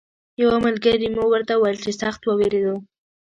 یوه ملګري مو ورته ویل چې سخت ووېرېدو.